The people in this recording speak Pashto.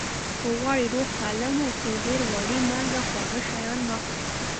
که غواړئ روغ سالم اوسئ ډېر غوړي مالګه خواږه شیان مه خوری